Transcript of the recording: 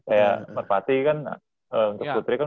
kayak merpati kan untuk putri kan